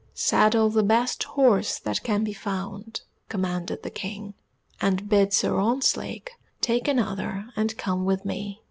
"Saddle the best horse that can be found," commanded the King, "and bid Sir Ontzlake take another and come with me."